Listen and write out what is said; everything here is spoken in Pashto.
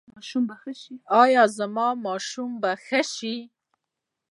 ایا زما ماشوم به ښه شي؟